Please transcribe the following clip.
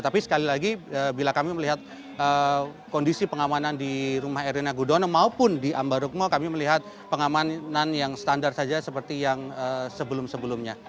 tapi sekali lagi bila kami melihat kondisi pengamanan di rumah erina gudono maupun di ambarukmo kami melihat pengamanan yang standar saja seperti yang sebelum sebelumnya